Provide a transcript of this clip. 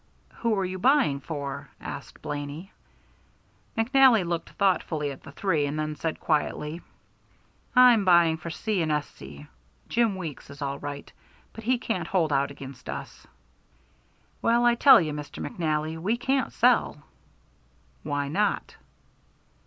"Who are you buying for?" asked Blaney. McNally looked thoughtfully at the three men, then said quietly: "I am buying for C. & S.C. Jim Weeks is all right, but he can't hold out against us." "Well, I tell you, Mr. McNally, we can't sell." "Why not?"